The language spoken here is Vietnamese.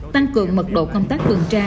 tăng cường mật độ công tác vườn tra